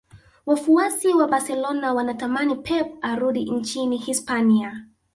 wafuasi wa barcelona wanatamani pep arudi nchini hispania